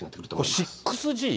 ６Ｇ？